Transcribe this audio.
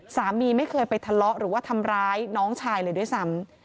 สามีไม่เคยไปทะเลาะหรือว่าทำร้ายน้องชายเลยด้วยซ้ำ